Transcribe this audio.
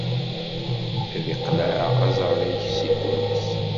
Ad iqleɛ aẓar-ik si ddunit.